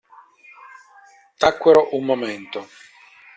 Tacquero un momento.